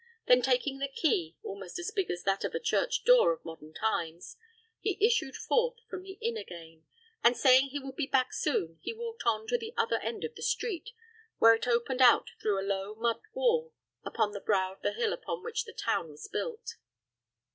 Then, taking the key almost as big as that of a church door of modern times he issued forth from the inn again, and, saying he would be back soon, he walked on to the other end of the street, where it opened out through a low mud wall upon the brow of the hill upon which the town was built.